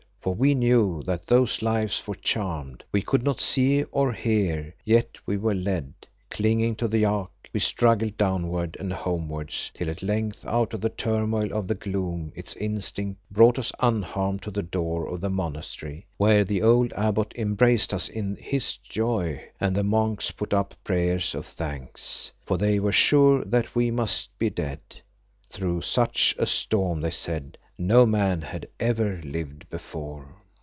For we knew that those lives were charmed. We could not see or hear, yet we were led. Clinging to the yak, we struggled downward and homewards, till at length out of the turmoil and the gloom its instinct brought us unharmed to the door of the monastery, where the old abbot embraced us in his joy, and the monks put up prayers of thanks. For they were sure that we must be dead. Through such a storm, they said, no man had ever lived before.